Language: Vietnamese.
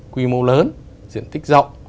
quy mô lớn diện tích rộng